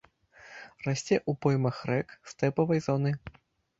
Расце ў поймах рэк стэпавай зоны.